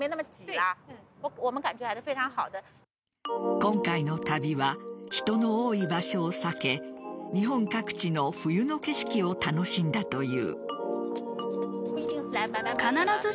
今回の旅は人の多い場所を避け日本各地の冬の景色を楽しんだという。